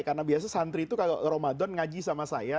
karena biasanya santri itu kalau ramadan ngaji sama saya